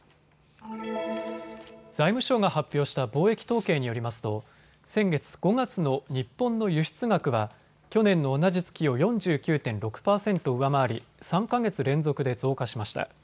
財務省が発表した貿易統計によりますと先月５月の日本の輸出額は去年の同じ月を４９．６％上回り３か月連続で増加しました。